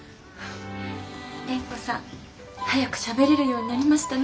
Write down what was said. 蓮子さん早くしゃべれるようになりましたね。